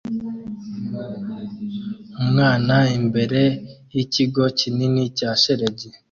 Umwana imbere yikigo kinini cya shelegi